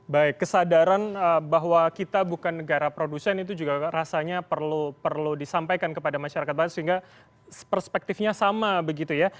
baik kesadaran bahwa kita bukan negara produsen itu juga rasanya perlu disampaikan kepada masyarakat banyak sehingga perspektifnya sama begitu ya